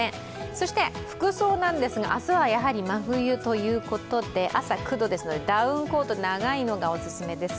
そして服装なんですが、明日はやはり真冬ということで朝９度ですので、ダウンコート、長いのがおすすめです。